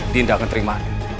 dinda akan terima